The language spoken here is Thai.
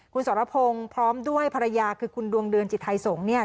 คุณสรพงศ์พร้อมด้วยภรรยาคือคุณดวงเดือนจิตไทยสงฆ์